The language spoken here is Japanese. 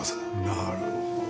なるほど。